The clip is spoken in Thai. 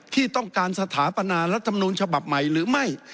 ที่ต้องการสถาปนารัฐมนูลฉบับใหม่หรือไม่